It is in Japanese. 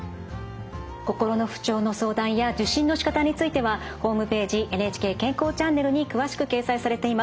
心の不調の相談や受診のしかたについてはホームページ「ＮＨＫ健康チャンネル」に詳しく掲載されています。